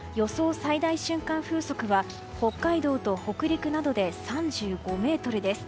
最大瞬間風速は北海道と北陸などで３５メートルです。